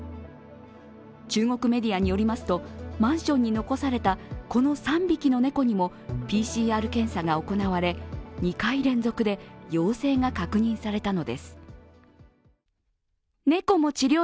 中国メディアによりますとマンションに残されたこの３匹の猫にもＰＣＲ検査が行われ、２回連続で陽性が確認されたのです。